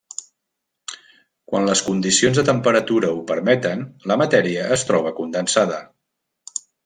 Quan les condicions de temperatura ho permeten la matèria es troba condensada.